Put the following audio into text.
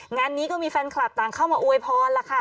งานนี้ก็มีแฟนคลับต่างเข้ามาอวยพรล่ะค่ะ